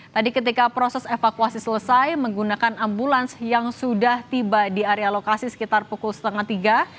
tadi ketika proses evakuasi selesai menggunakan ambulans yang sudah tiba di area lokasi sekitar pukul setengah tiga